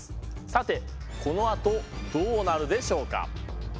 さてこのあとどうなるでしょうか。